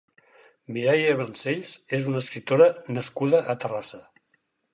Mireia Vancells és una escriptora nascuda a Terrassa.